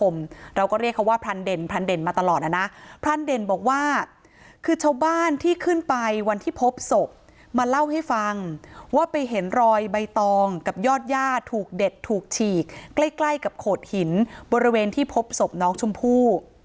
มาเล่าให้ฟังว่าไปเห็นรอยใบตองกับยอดย่าถูกเด็ดถูกฉีกใกล้กับโขดหินบริเวณที่พบศพน้องชมพู่